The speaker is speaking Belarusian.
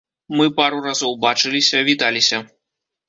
Мы пару разоў бачыліся, віталіся.